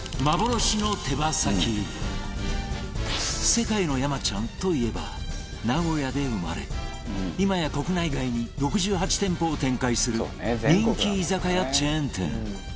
世界の山ちゃんといえば名古屋で生まれ今や国内外に６８店舗を展開する人気居酒屋チェーン店